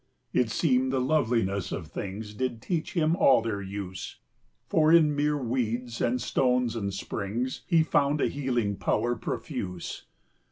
It seemed the loveliness of things Did teach him all their use, 30 For, in mere weeds, and stones, and springs, He found a healing power profuse.